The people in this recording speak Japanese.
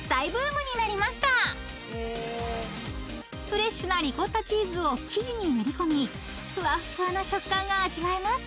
［フレッシュなリコッタチーズを生地に練り込みふわっふわな食感が味わえます］